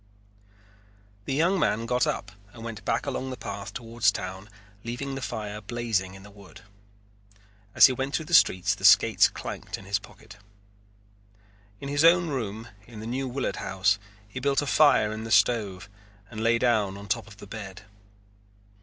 The young man got up and went back along the path toward town leaving the fire blazing in the wood. As he went through the streets the skates clanked in his pocket. In his own room in the New Willard House he built a fire in the stove and lay down on top of the bed.